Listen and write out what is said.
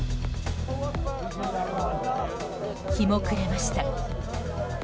日も暮れました。